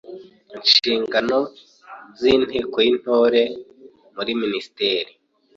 Inshingano z’inteko y’Intore muri Minisiteri